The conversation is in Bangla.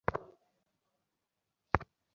আঙ্কেল আন্টিরা খুশিমনে নাচ-গান চালিয়ে যেতে পারবেন।